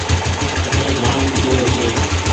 اٺي جآم ڪچرو ڇي۔